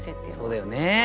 そうだよね。